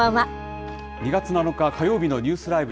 ２月７日火曜日のニュースＬＩＶＥ！